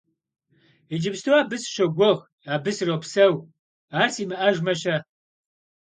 Иджыпсту абы сыщогугъ, абы сропсэу, ар симыӀэжмэ-щэ?